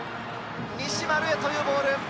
西丸へというボール。